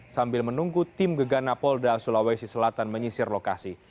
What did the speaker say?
sambil menunggu tim geganapolda sulawesi selatan menyisir lokasi